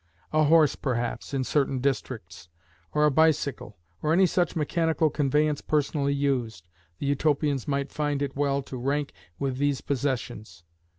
A horse, perhaps, in certain districts, or a bicycle, or any such mechanical conveyance personally used, the Utopians might find it well to rank with these possessions.